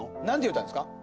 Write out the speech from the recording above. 何て言うたんですか？